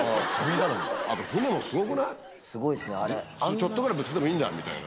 ちょっとぐらいぶつけてもいいんだみたいな。